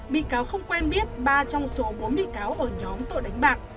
bị cáo không quen biết ba trong số bốn bị cáo ở nhóm tội đánh bạc